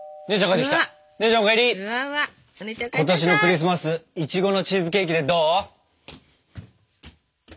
今年のクリスマスいちごのチーズケーキでどう？